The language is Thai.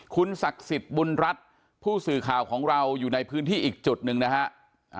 คุณศักดิ์สิทธิ์บุญรัฐผู้สื่อข่าวของเราอยู่ในพื้นที่อีกจุดหนึ่งนะฮะ